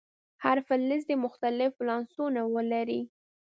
هر فلز دې مختلف ولانسونه ولري.